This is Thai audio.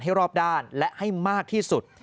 ให้รอบด้านและให้มากที่สุด